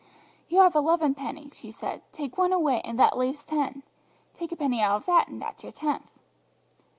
"You have eleven pennies," she said; "take one away, and that leaves ten; take a penny out of that, and that's your tenth."